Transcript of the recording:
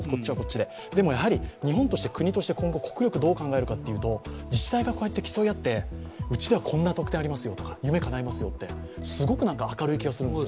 でも、日本として、国として国力をどう考えるかというと、自治体が競い合って、うちではこういう特典がありますよとか、すごく明るい気がするんですよ。